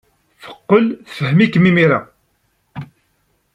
Teqqel tfehhem-ikem imir-a.